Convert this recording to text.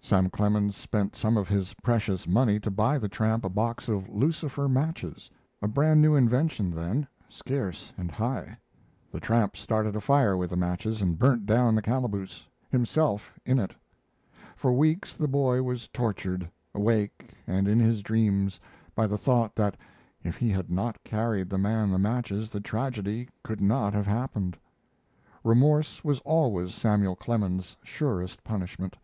Sam Clemens spent some of his precious money to buy the tramp a box of Lucifer matches a brand new invention then, scarce and high. The tramp started a fire with the matches and burned down the calaboose, himself in it. For weeks the boy was tortured, awake and in his dreams, by the thought that if he had not carried the man the matches the tragedy could not have happened. Remorse was always Samuel Clemens's surest punishment.